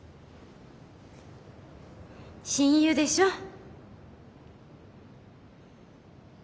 親友でしょ？